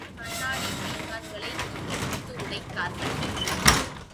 கண்ணாடிப் பீங்கான்களை தூக்கிப்போட்டு உடைத்தார்கள்.